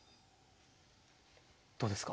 どうですか？